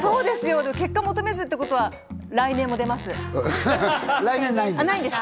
結果を求めずということは、来年も出ますか！